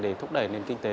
để thúc đẩy nền kinh tế